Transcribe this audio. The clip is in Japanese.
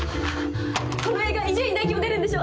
この映画伊集院大樹も出るんでしょ？